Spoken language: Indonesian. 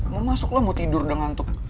mau masuk mau tidur udah ngantuk